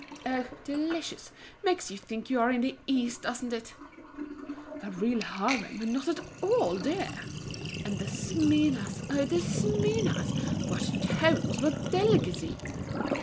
"Oh! delicious! makes you think you are in the East; doesn't it?" "A real harem, and not at all dear!" "And the Smyrnas! oh, the Smyrnas! what tones, what delicacy!"